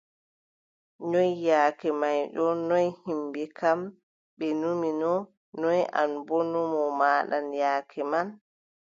Noy yaake may ɗo, noy yimɓe kam, ɓe numino, noy an boo numo maaɗan yaake man?